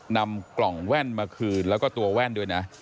นำกล่องแว่นมาคืนแล้วก็ตัวแว่นด้วยนะ